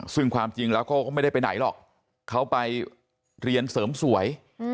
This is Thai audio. ซึ่งความจริงแล้วเขาก็ไม่ได้ไปไหนหรอกเขาไปเรียนเสริมสวย